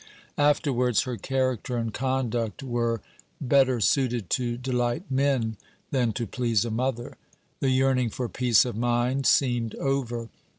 Afterwards her character and conduct were better suited to delight men than to please a mother. The yearning for peace of mind seemed over.